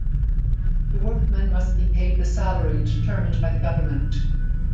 The workmen must be paid the salary determined by the government.